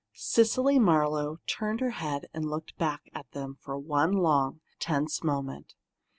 Cecily Marlowe turned her head and looked back at them for one long, tense moment.